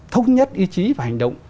thống nhất ý chí và hành động